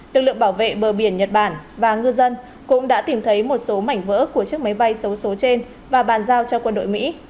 lực lượng bảo vệ bờ biển nhật bản và ngư dân cũng đã tìm thấy một số mảnh vỡ của chiếc máy bay xấu xố trên và bàn giao cho quân đội mỹ